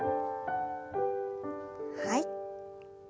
はい。